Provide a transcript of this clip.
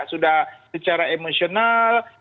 sudah secara emosional